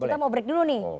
kita mau break dulu nih